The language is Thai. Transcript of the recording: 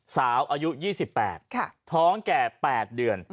อายุ๒๘ท้องแก่๘เดือน